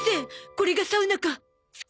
これがサウナか。